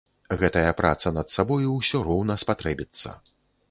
Гэтая праца над сабою ўсё роўна спатрэбіцца.